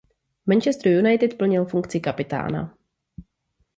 V Manchesteru United plnil funkci kapitána.